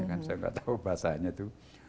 kan saya nggak tahu bahasanya itu